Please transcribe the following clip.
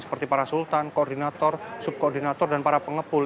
seperti para sultan koordinator subkoordinator dan para pengepul